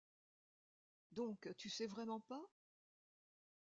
Donc tu sais vraiment pas?